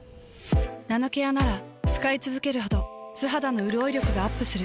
ナノケアなら使いつづけるほど素肌のうるおい力がアップする。